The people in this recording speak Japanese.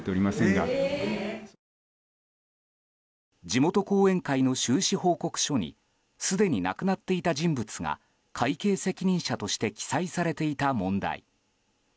地元後援会の収支報告書にすでに亡くなっていた人物が会計責任者として記載されていた問題。